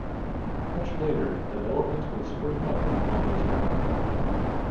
Much later, development would spring up along this route.